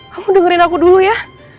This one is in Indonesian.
kamu dengerin aku dulu ya